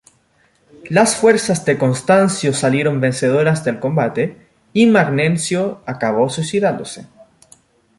Las fuerzas de Constancio salieron vencedoras del combate, y Magnencio acabó suicidándose.